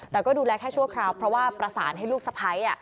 แต่ก็ดูแลแค่ชั่วคราวเพราะว่าประสานให้ลูกสะพ้าย